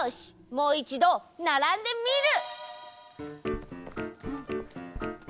もういちどならんでみる！